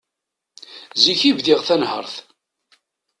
Zik i bdiɣ tanhert.